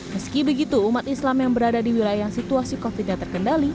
meski begitu umat islam yang berada di wilayah situasi covid sembilan belas terkendali